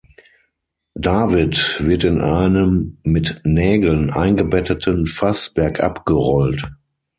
David wird in einem mit Nägeln eingebetteten Fass bergab gerollt.